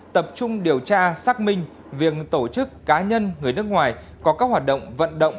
tập trung điều tra xác minh việc tổ chức cá nhân người nước ngoài có các hoạt động vận động